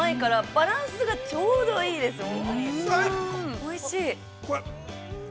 ◆おいしい！